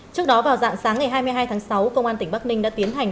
trước đó vào dạng sáng ngày hai mươi hai tháng sáu